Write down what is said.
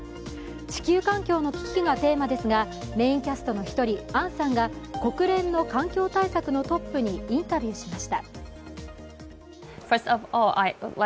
地球環境の危機がテーマですがメインキャストの一人、杏さんが国連の環境対策のトップにインタビューしました。